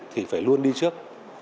thì phải luôn đi trước